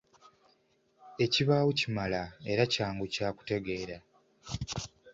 Ekibaawo kimala era kyangu kya kutegeera.